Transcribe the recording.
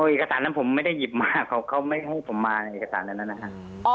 เอกสารนั้นผมไม่ได้หยิบมาเขาไม่ให้ผมมาในเอกสารอันนั้นนะครับ